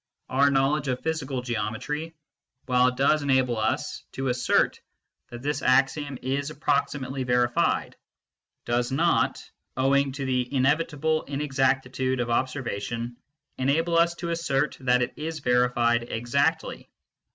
Our knowledge of physical geometry, while it does enable us to assert that this axiom is approximately verified, does not, owing to the inevitable inexactitude of observation, enable us to assert that it is verified exactly.